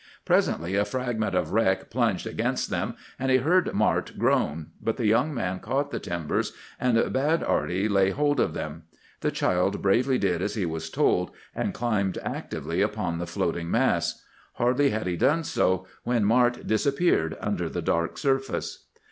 Presently a fragment of wreck plunged against them and he heard Mart groan; but the young man caught the timbers, and bade Arty lay hold of them. The child bravely did as he was told, and climbed actively upon the floating mass. Hardly had he done so when Mart disappeared under the dark surface.